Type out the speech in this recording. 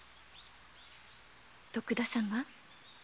徳田様